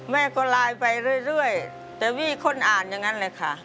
แม่ก็ไลน์ไปเรื่อยแต่มีคนอ่านอย่างนั้นเลยค่ะ